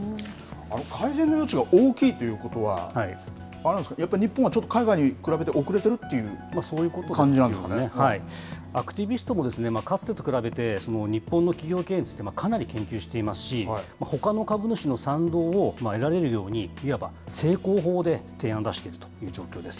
改善の余地が大きいということは、あるんですか、やっぱり日本はちょっと海外に比べて遅れてるっていう、アクティビストもかつてと比べて、日本の企業経営についてかなり研究していますし、ほかの株主の賛同を得られるように、いわば正攻法で提案を出しているという状況です。